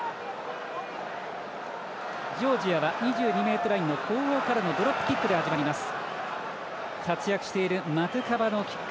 ジョージアは２２ｍラインの後方からのドロップキックから始まります。